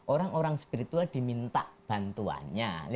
orang orang spiritual diminta bantuannya